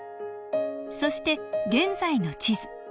そして現在の地図。